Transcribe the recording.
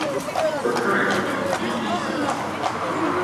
For current data, use these sites.